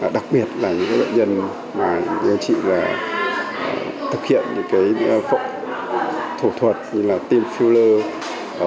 đặc biệt là những bệnh nhân mà như chị đã thực hiện những cái phẫu thuật như là tiêm filler